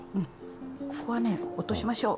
ここはね落としましょう。